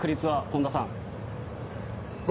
本田さん。